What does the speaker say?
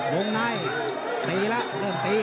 วงในเตะแล้วเริ่มเตะ